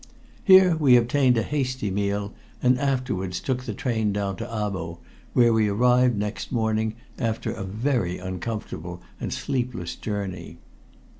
Here we obtained a hasty meal, and afterwards took the train down to Abo, where we arrived next morning, after a very uncomfortable and sleepless journey.